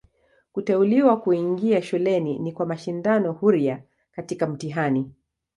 Kuteuliwa kuingia shuleni ni kwa mashindano huria katika mtihani.